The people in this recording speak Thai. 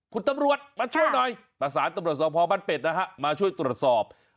คุณตำรวจมาช่วยหน่อยประสานตำรวจสอบพอบ้านเป็ดนะฮะมาช่วยตรวจสอบ